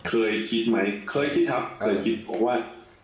เคยคิดไหมเคยคิดครับเคยคิดบอกว่า